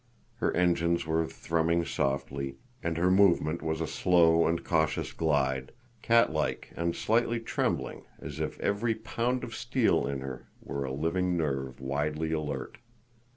Her engines were thrumming softly, and her movement was a slow and cautious glide, catlike and slightly trembling, as if every pound of steel in her were a living nerve widely alert.